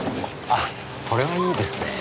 あっそれはいいですねぇ。